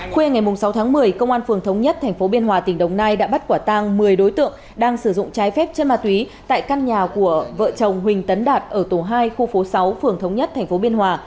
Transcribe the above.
khuya ngày sáu tháng một mươi công an phường thống nhất tp biên hòa tỉnh đồng nai đã bắt quả tang một mươi đối tượng đang sử dụng trái phép chân ma túy tại căn nhà của vợ chồng huỳnh tấn đạt ở tổ hai khu phố sáu phường thống nhất tp biên hòa